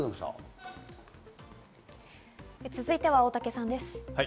続いて大竹さんです。